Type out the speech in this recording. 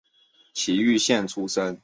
崎玉县出身。